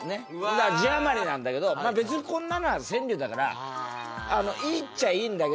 だから字余りなんだけどまあ別にこんなのは川柳だからいいっちゃいいんだけど。